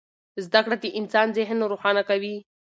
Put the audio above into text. زده کړه د انسان ذهن روښانه کوي.